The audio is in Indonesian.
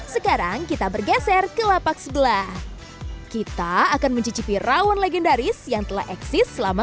sekarang kita bergeser ke lapak sebelah kita akan mencicipi rawon legendaris yang telah eksis selama